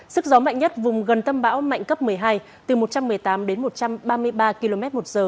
sức gió mạnh nhất vùng gần tâm bão mạnh cấp một mươi hai từ một trăm một mươi tám đến một trăm ba mươi ba km một giờ